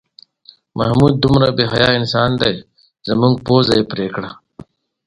محمود دومره بې حیا انسان دی زموږ پوزه یې پرې کړه.